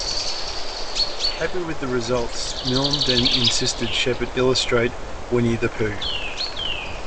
Happy with the results, Milne then insisted Shepard illustrate "Winnie-the-Pooh".